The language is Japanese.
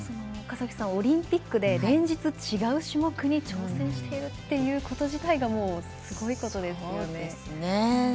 オリンピックで連日、違う種目に挑戦しているということ自体がすごいことですよね。